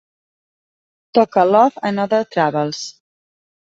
Toca Love and Other Troubles?